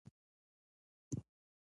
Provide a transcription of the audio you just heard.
دا وز خسي دی